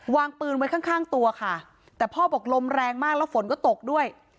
วางปืนไว้ข้างข้างตัวค่ะแต่พ่อบอกลมแรงมากแล้วฝนก็ตกด้วย